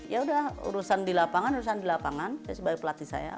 ya udah urusan di lapangan urusan di lapangan sebagai pelatih saya